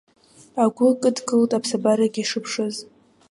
Агәы кыдгылт аԥсабарагьы шыԥшыз!